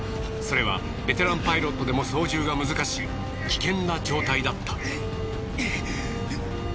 それはベテランパイロットでも操縦が難しい危険な状態だった。